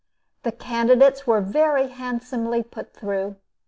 The candidates were very handsomely put through.